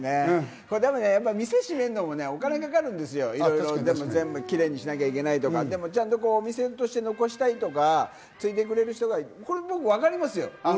店を閉めるのもお金かかるんですよ、いろいろ全部キレイにしなきゃいけないとか、でも、お店として残したいとか、継いでくれる人がっていうの、分かりますよ。